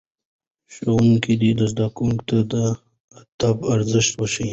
ښوونکي دي زدهکوونکو ته د ادب ارزښت وښيي.